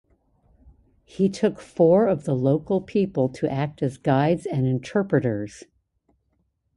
He took four of the local people to act as guides and interpreters.